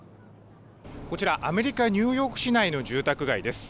こちら、アメリカ・ニューヨーク市内の住宅街です。